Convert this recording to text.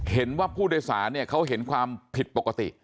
เห็นว่าผู้โดยสารเนี่ยเขาเห็นความผิดปกติ